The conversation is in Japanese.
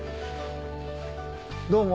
どうも。